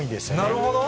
なるほど。